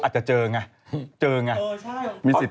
จากธนาคารกรุงเทพฯ